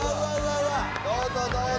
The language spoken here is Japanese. どうぞどうぞ。